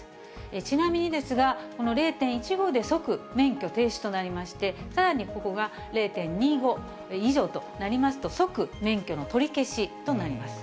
ちなみにですが、この０．１５で即免許停止となりまして、さらにここが０．２５以上となりますと、即免許の取り消しとなります。